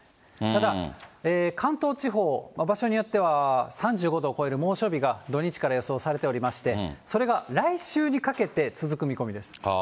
ただ関東地方、場所によっては３５度を超える猛暑日が土日から予想されておりまして、それが来週にかけて続く見込みです。